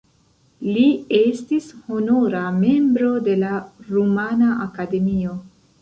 Li estis honora membro de la Rumana Akademio.